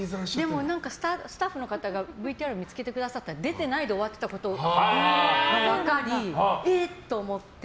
スタッフの方がＶＴＲを見つけてくださって出てないで終わってたことが分かりえって思って。